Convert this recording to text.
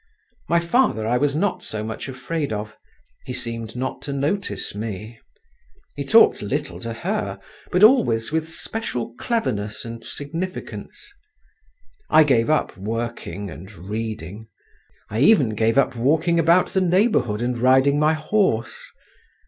My father I was not so much afraid of; he seemed not to notice me. He talked little to her, but always with special cleverness and significance. I gave up working and reading; I even gave up walking about the neighbourhood and riding my horse.